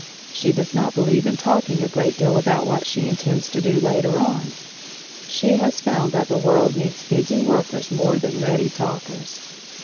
She does not believe in talking a great deal about what she intends to do later on. She has found that the world needs busy workers more than ready talkers.